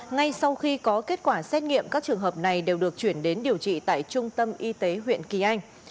ngay sau khi có kết quả xét nghiệm các trường hợp này đều được chuyển đến điều trị tại trung tâm y tế huyện kỳ anh